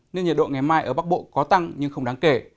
nên nhiệt độ ngày mai ở bắc bộ có tăng nhưng không đáng kể